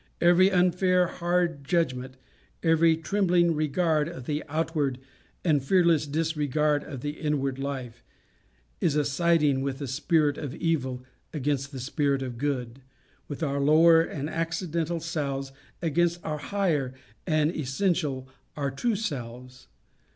every unfair hard judgment, every trembling regard of the outward and fearless disregard of the inward life, is a siding with the spirit of evil against the spirit of good, with our lower and accidental selves, against our higher and essential our true selves.